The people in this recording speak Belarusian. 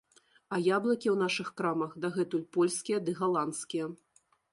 А яблыкі ў нашых крамах дагэтуль польскія ды галандскія.